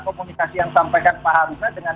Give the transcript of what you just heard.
komunikasi yang sampaikan pak hamzah dengan